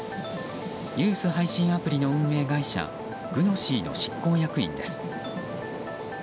ニュース配信アプリの運営会社Ｇｕｎｏｓｙの執行役員です。